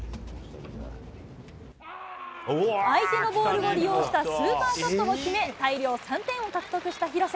相手のボールを利用したスーパーショットを決め、大量３点を獲得した廣瀬。